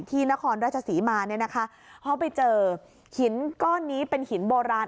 นครราชศรีมาเนี่ยนะคะเขาไปเจอหินก้อนนี้เป็นหินโบราณ